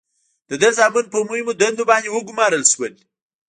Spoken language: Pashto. د ده زامن په مهمو دندو باندې وګمارل شول.